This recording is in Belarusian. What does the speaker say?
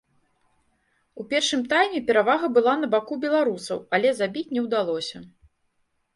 У першым тайме перавага была на баку беларусаў, але забіць не ўдалося.